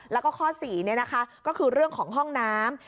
แล้วก็ข้อ๔ก็คือเรื่องของห้องน้ำ